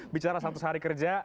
bicara seratus hari kerja